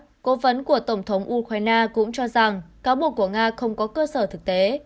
phóng vấn của tổng thống ukraine cũng cho rằng cáo buộc của nga không có cơ sở thực tế